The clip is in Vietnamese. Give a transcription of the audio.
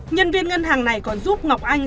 nhân viên ngân hàng này còn giúp ngọc anh